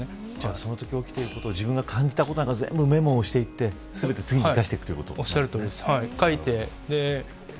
そのときに起きていること自分が感じたことなんかを全部メモをしていって全て次に生かしていくおっしゃるとおりです。